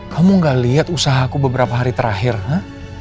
kamu gak liat usahaku beberapa hari terakhir ha